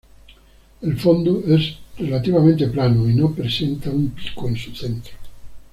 El fondo es relativamente plano y no presenta un pico en su centro.